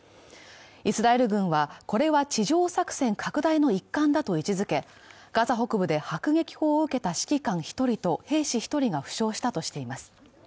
イスラエル軍は、これは地上作戦拡大の一環だと位置づけ、ガザ北部で迫撃砲を受けた指揮官１人と兵士１人が負傷したとしています。